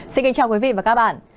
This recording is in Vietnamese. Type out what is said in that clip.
xin kính chào quý vị và các bạn